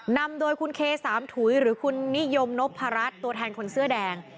นำโดยคุณเคสามถุยหรือคุณนิยมนพรัชตัวแทนคนเสื้อแดง